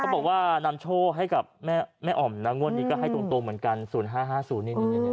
บอกว่านำโชคให้กับแม่อ๋อมนะงวดนี้ก็ให้ตรงเหมือนกัน๐๕๕๐นี่